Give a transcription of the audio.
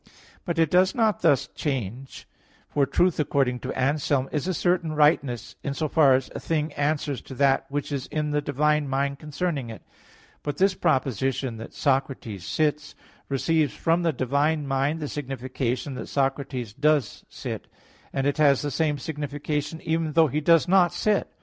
But it does not thus change. For truth, according to Anselm (De Verit. viii), "is a certain rightness" in so far as a thing answers to that which is in the divine mind concerning it. But this proposition that "Socrates sits", receives from the divine mind the signification that Socrates does sit; and it has the same signification even though he does not sit.